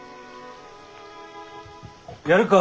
やるか？